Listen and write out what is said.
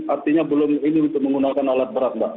artinya belum ini untuk menggunakan alat berat mbak